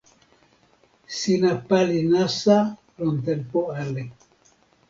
sina pali nasa lon tenpo ale.